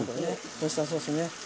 オイスターソースね。